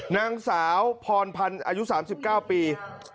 นางสาวพรพันธ์อายุ๓๙ปี